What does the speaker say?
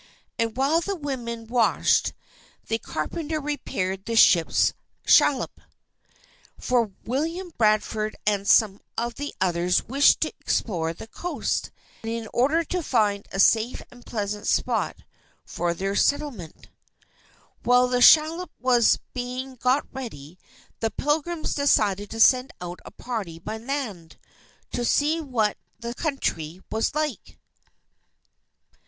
And while the women washed, the carpenter repaired the ship's shallop; for William Bradford and some of the others wished to explore the coast, in order to find a safe and pleasant spot for their settlement. While the shallop was being got ready, the Pilgrims decided to send out a party by land, to see what the country was like.